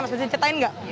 mas bisa diceritain nggak